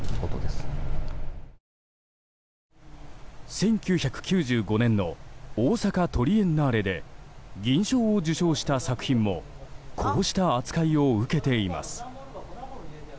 １９９５年の大阪トリエンナーレで銀賞を受賞した作品もこうした扱いを受けています。